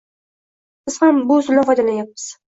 Biz ham bu usuldan foydalanyapmiz.